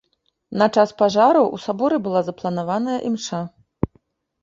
На час пажару ў саборы была запланаваная імша.